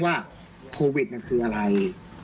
พี่สาวอายุ๗ขวบก็ดูแลน้องดีเหลือเกิน